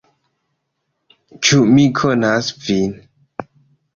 Ĉu mi konas vin?